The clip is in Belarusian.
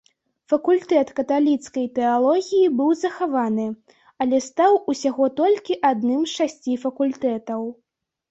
Факультэт каталіцкай тэалогіі быў захаваны, але стаў усяго толькі адным з шасці факультэтаў.